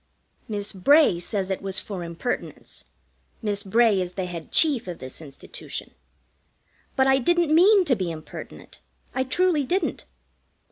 Miss Bray says it was for impertinence (Miss Bray is the Head Chief of this Institution), but I didn't mean to be impertinent. I truly didn't.